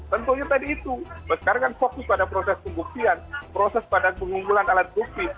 tentunya tadi itu sekarang fokus pada proses pengguptian proses pengumpulan alat bukti